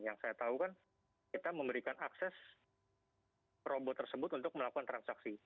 yang saya tahu kan kita memberikan akses robot tersebut untuk melakukan transaksi